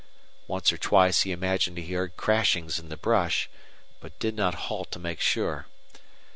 Once or twice he imagined he heard crashings in the brush, but did not halt to make sure.